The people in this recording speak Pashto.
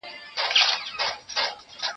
وږي نس ته یې لا ښکار نه وو میندلی